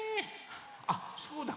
あっそうだ。